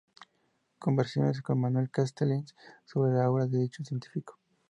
Conversaciones con Manuel Castells" sobre la obra de dicho científico.